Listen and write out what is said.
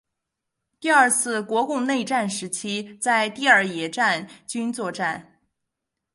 第二次国共内战时期在第二野战军作战。